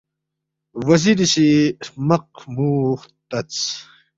وزیری سی ہرمق ہرمُو ختدس